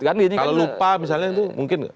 kalau lupa misalnya itu mungkin